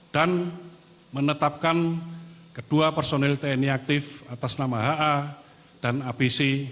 dan menetapkan kedua personil tni aktif atas nama ha dan abc